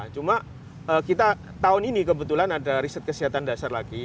cuma kita tahun ini kebetulan ada riset kesehatan dasar lagi